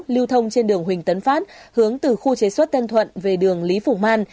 lưu thông trên đường huỳnh tấn phát hướng từ khu chế suất tân thuận về đường lý phủng man